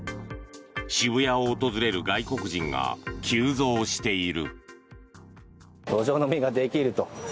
渋谷を訪れる外国人が急増している。